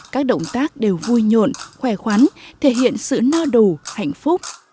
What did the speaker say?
các động tác đều vui nhuộn khỏe khoắn thể hiện sự na đủ hạnh phúc